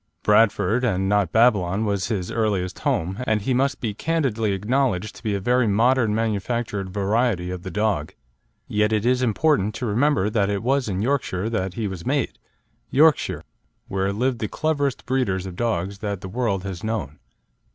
Bradford, and not Babylon, was his earliest home, and he must be candidly acknowledged to be a very modern manufactured variety of the dog. Yet it is important to remember that it was in Yorkshire that he was made Yorkshire, where live the cleverest breeders of dogs that the world has known.